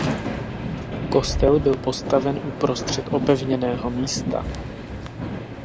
Kostel byl postaven uprostřed opevněného místa.